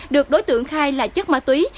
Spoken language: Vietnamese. được đối tượng khai là chất ma túy